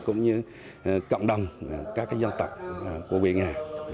cũng như cộng đồng các dân tộc của vị nhà